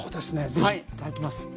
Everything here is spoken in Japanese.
是非いただきます。